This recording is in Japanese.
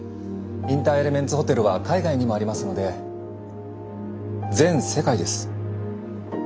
インターエレメンツホテルは海外にもありますので全世界です。